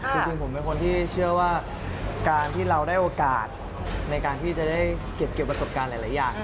จริงผมเป็นคนที่เชื่อว่าการที่เราได้โอกาสในการที่จะได้เก็บเกี่ยวประสบการณ์หลายอย่าง